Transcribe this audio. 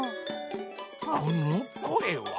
このこえは？